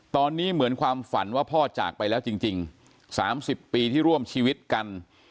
ตอนนี้เหมือนความฝันว่าพ่อจากไปแล้วจริง๓๐ปีที่ร่วมชีวิตกัน